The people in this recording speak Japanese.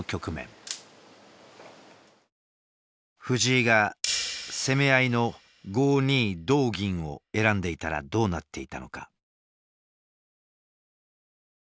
藤井が攻め合いの５二同銀を選んでいたらどうなっていたのか？